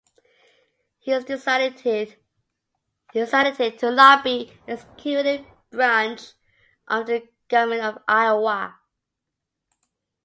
He is designated to lobby the Executive Branch of the Government of Iowa.